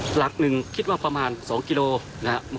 หลักหนึ่งคิดว่าประมาณ๒กิโลนะครับ